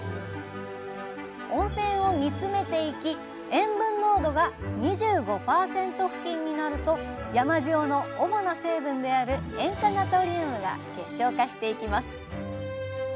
塩分濃度が２５％付近になると山塩の主な成分である塩化ナトリウムが結晶化していきます。